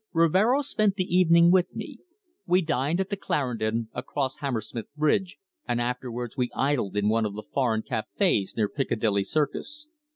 Rivero spent the evening with me. We dined at the Clarendon, across Hammersmith Bridge, and afterwards we idled in one of the foreign cafés near Piccadilly Circus.